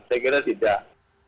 saya kira tidak